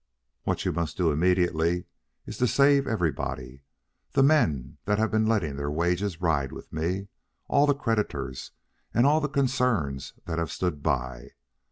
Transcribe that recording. What you must do immediately is to save everybody the men that have been letting their wages ride with me, all the creditors, and all the concerns that have stood by.